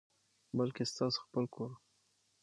بلکي ستاسو خپل کور،